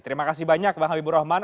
terima kasih banyak bang habibur rahman